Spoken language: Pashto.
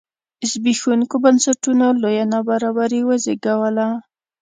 زبېښوونکو بنسټونو لویه نابرابري وزېږوله.